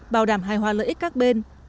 bảo đảm hài hòa lợi ích các bên